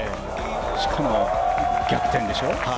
しかも、逆転でしょ。